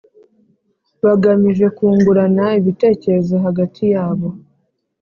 bagamije kungurana ibitekerezo hagati yabo